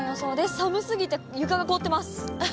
寒すぎて床が凍ってます。